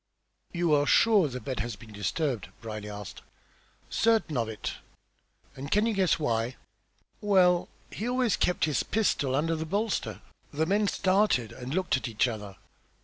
"You are sure the bed has been disturbed?" Brierly asked. "Certain of it!" "And can you guess why?" "Well, he always kept his pistol under the bolster." The men started and looked at each other.